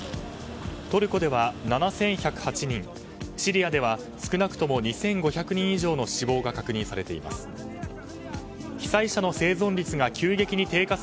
トルコでは７１０８人シリアでは少なくとも２５００人以上の死亡が確認されています。